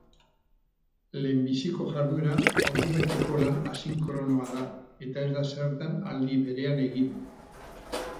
Lehenbiziko jarduera ordubeteko lan asinkronoa da, ez da zertan aldi berean egin.